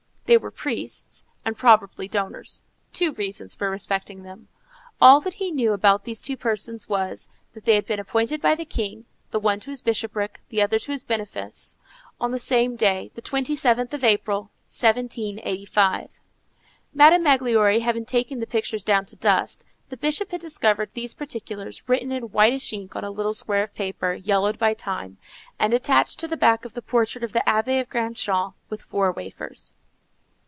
They were priests, and probably donors—two reasons for respecting them. All that he knew about these two persons was, that they had been appointed by the king, the one to his bishopric, the other to his benefice, on the same day, the 27th of April, 1785. Madame Magloire having taken the pictures down to dust, the Bishop had discovered these particulars written in whitish ink on a little square of paper, yellowed by time, and attached to the back of the portrait of the Abbé of Grand Champ with four wafers.